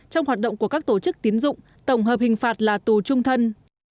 trong hoạt động của các tổ chức tiến dụng tổng hợp hình phạt là tù trung thân